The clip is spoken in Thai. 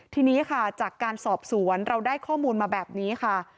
ทีนี้ค่ะจากการสอบสวนเราได้ข้อมูลมาแบบนี้ค่ะ